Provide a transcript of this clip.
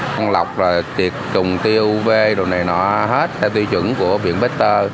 con lọc là tiệt trùng tiêu uv đồ này nó hết theo tiêu chuẩn của viện bến tre